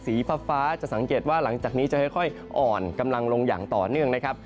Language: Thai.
สีฟ้าจะสังเกตว่าหลังจากนี้จะค่อยอ่อนกำลังลงอย่างต่อเนื่องนะครับ